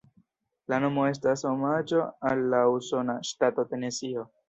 La nomo estas omaĝo al la usona ŝtato Tenesio.